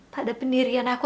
pada pendirian aku